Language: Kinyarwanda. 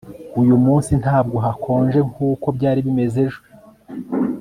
uyu munsi ntabwo hakonje nkuko byari bimeze ejo